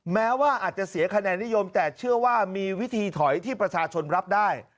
แม้ว่าอาจจะเสียคะแนนนิยมแต่เชื่อว่ามีวิธีถอยที่ประชาชนรับได้